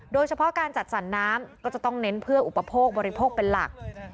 โดยเฉพาะการจัดสรรน้ำก็จะต้องเน้นเพื่ออุปโภคบริโภคเป็นหลัก